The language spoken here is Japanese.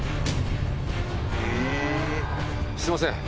⁉すいません